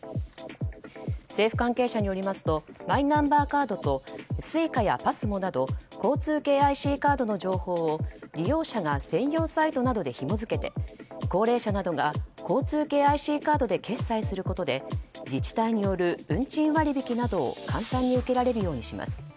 政府関係者によりますとマイナンバーカードとＳｕｉｃａやＰＡＳＭＯなど交通系ＩＣカードの情報を利用者が専用サイトなどでひもづけて高齢者などが交通系ＩＣカードで決済することで自治体による運賃割引などを簡単に受けられるようにします。